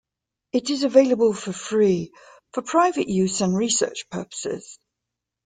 It is available for free for private use and research purposes.